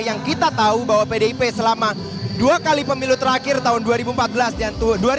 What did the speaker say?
yang kita tahu bahwa pdip selama dua kali pemilu terakhir tahun dua ribu empat belas dan dua ribu sembilan belas